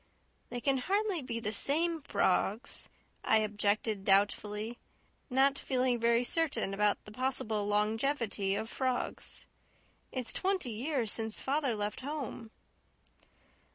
"They can hardly be the SAME frogs," I objected doubtfully, not feeling very certain about the possible longevity of frogs. "It's twenty years since father left home."